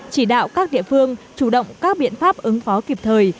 chỉ đạo các địa phương chủ động các biện pháp ứng phó kịp thời